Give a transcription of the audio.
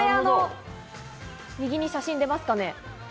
右に写真が出ますかね。